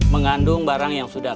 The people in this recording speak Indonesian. mengandung barang yang sudah